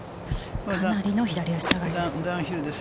かなりの左足下がりです。